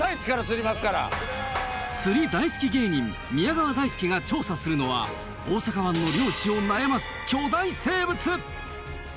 釣り大好き芸人宮川大輔が調査するのは大阪湾の漁師を悩ます巨大生物！